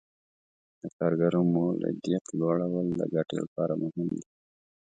د کارګرو مولدیت لوړول د ګټې لپاره مهم دي.